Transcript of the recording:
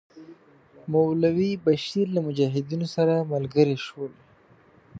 مولوی بشیر له مجاهدینو سره ملګري شول.